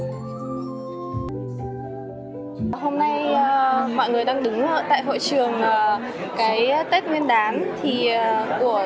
hôm nay mọi người đang đứng tại hội trường